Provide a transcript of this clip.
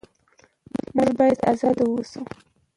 موږ باید ازاد واوسو.